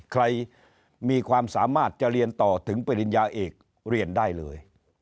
ใครมีความสามารถจะเรียนต่อถึงปริญญาเอกเรียนได้เลย